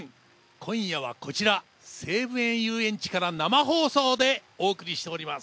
今夜はこちら、西武園ゆうえんちから生放送でお送りしております。